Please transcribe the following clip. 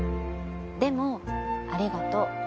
でもありがとう。